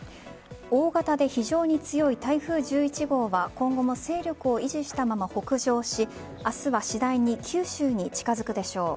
大型で非常に強い台風１１号は今後も勢力を維持したまま北上し明日は次第に九州に近づくでしょう。